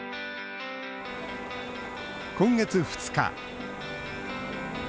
今月２日。